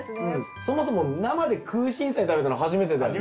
そもそも生でクウシンサイ食べたの初めてだしね。